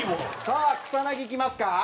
さあ草薙いきますか。